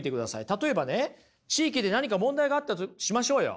例えばね地域で何か問題があったとしましょうよ。